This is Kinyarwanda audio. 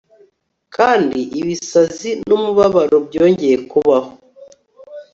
kandi ibisazi numubabaro byongeye kubaho